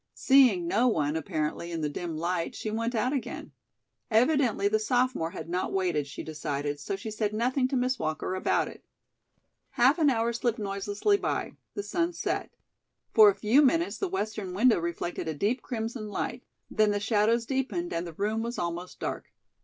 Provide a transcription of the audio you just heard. Seeing no one, apparently, in the dim light, she went out again. Evidently the sophomore had not waited, she decided, so she said nothing to Miss Walker about it. Half an hour slipped noiselessly by; the sun set. For a few minutes the western window reflected a deep crimson light; then the shadows deepened and the room was almost dark.